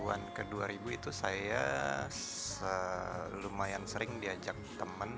sembilan puluh an ke dua ribu itu saya lumayan sering diajak teman